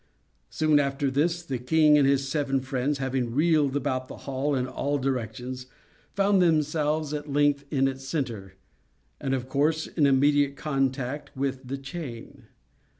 Soon after this, the king and his seven friends having reeled about the hall in all directions, found themselves, at length, in its centre, and, of course, in immediate contact with the chain.